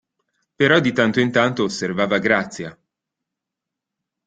Però di tanto in tanto osservava Grazia.